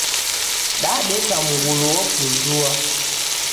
Dadeka mngulu opuzua.